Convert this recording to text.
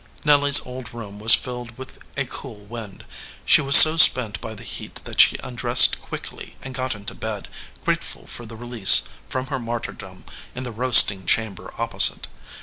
Nelly s old room was filled with a cool wind. She was so spent by the heat that she undressed quickly and got into bed, grateful for the release from her martyrdom in the roasting chamber op posite.